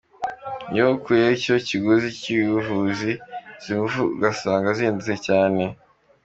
Iyo ukuyeho icyo kiguzi cy’ubuvuzi, izi ngufu usanga zihendutse cyane.”